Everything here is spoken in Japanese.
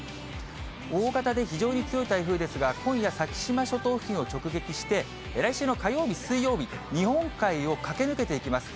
大型で非常に強い台風ですが、今夜、先島諸島付近を直撃して、来週の火曜日、水曜日、日本海を駆け抜けていきます。